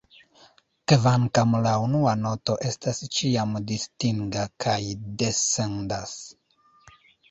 Kvankam, la unua noto estas ĉiam distinga kaj descendas.